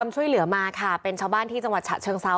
ช่วยเหลือมาค่ะเป็นชาวบ้านที่จังหวัดฉะเชิงเซา